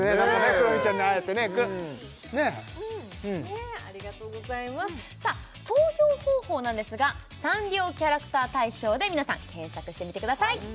クロミちゃんに会えてねねえうんねえありがとうございますさあ投票方法なんですが「サンリオキャラクター大賞」で皆さん検索してみてください